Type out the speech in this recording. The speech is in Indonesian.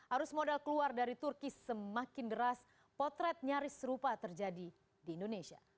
arus modal keluar dari turki semakin deras potret nyaris serupa terjadi di indonesia